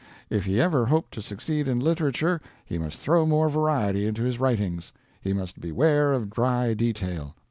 If he ever hoped to succeed in literature he must throw more variety into his writings. He must beware of dry detail.